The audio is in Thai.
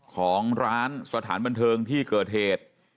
ของร้านสถานบันเทิงที่เกิดเหตุ